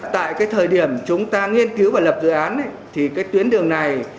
tại thời điểm chúng ta nghiên cứu và lập dự án thì tuyến đường này